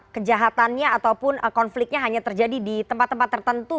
kejahatannya ataupun konfliknya hanya terjadi di tempat tempat tertentu